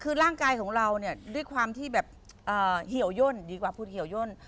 คือร่างกายของเราเนี่ยด้วยความที่แบบเหี่ยวย่นดีกว่าพูดเหี่ยวย่น